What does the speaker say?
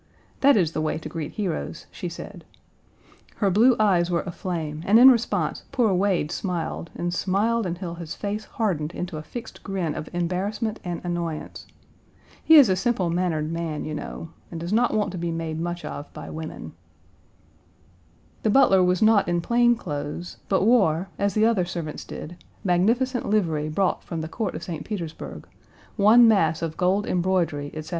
"That is the way to greet heroes," she said. Her blue eyes were aflame, and in response poor Wade smiled, and smiled until his face hardened into a fixed grin of embarrassment and annoyance. He is a simple mannered man, you know, and does not want to be made much of by women. The butler was not in plain clothes, but wore, as the Page 193 other servants did, magnificent livery brought from the Court of St. Petersburg, one mass of gold embroidery, etc.